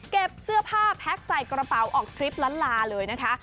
เสื้อผ้าแพ็คใส่กระเป๋าออกทริปล้านลาเลยนะคะ